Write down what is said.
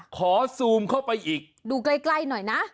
ขอซูมเข้าไปอีกดูใกล้หน่อยนะ